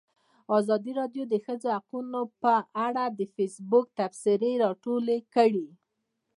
ازادي راډیو د د ښځو حقونه په اړه د فیسبوک تبصرې راټولې کړي.